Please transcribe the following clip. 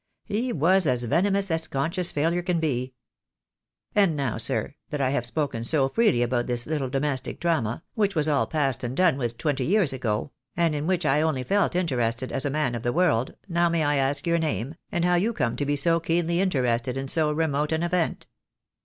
He was as venomous as conscious failure can be. And now, sir, that I have spoken so freely about this little domestic drama, which was all past and done with twenty years ago, and in which I only felt interested as a man of the world, now may I ask your name, and how you come to be so keenly interested in so remote an event?"